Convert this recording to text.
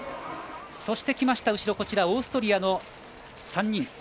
そして、後ろきましたオーストリアの３人。